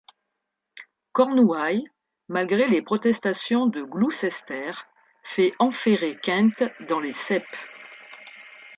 Cornouailles, malgré les protestations de Gloucester, fait enferrer Kent dans les ceps.